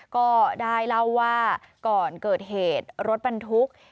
ก็ได้เล่าว่าก่อนเกิดเหตุรถบรรทุก